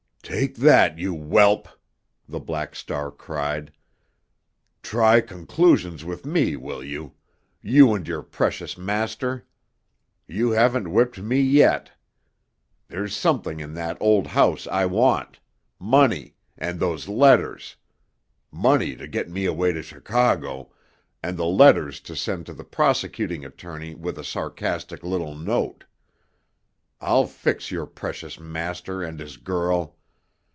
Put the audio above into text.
"Take that, you whelp!" the Black Star cried. "Try conclusions with me, will you—you and your precious master? You haven't whipped me yet! There's something in that old house I want—money, and those letters—money to get me away to Chicago, and the letters to send to the prosecuting attorney with a sarcastic little note. I'll fix your precious master and his girl.